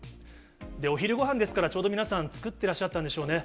で、お昼ごはんですから、ちょうど皆さん、作ってらっしゃったんでしょうね。